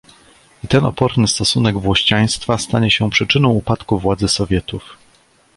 "I ten oporny stosunek włościaństwa stanie się przyczyną upadku władzy Sowietów."